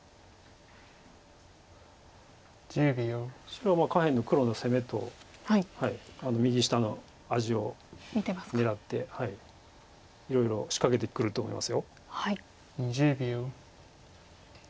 白は下辺の黒の攻めと右下の味を狙っていろいろ仕掛けてくると思います。